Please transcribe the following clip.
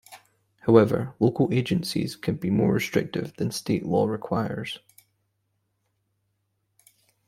However, local agencies can be more restrictive than state law requires.